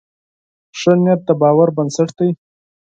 ښه نیت د باور بنسټ دی.